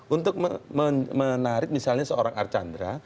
untuk menarik misalnya seorang archandra